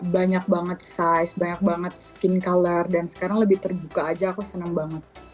banyak banget size banyak banget skin color dan sekarang lebih terbuka aja aku senang banget